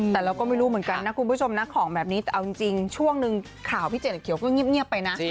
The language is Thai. แต่เราก็ไม่รู้เหมือนกันนะคุณผู้ชมนะของแบบนี้แต่เอาจริงช่วงหนึ่งข่าวพี่เจ็ดเขียวก็เงียบไปนะ